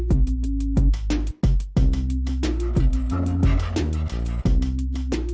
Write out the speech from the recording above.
แล้วแต่แล้วแต่แล้วแต่โชคค่ะแล้วแต่โชค